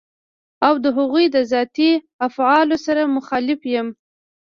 او د هغوی له ذاتي افعالو سره مخالف يم.